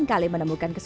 keras bh barters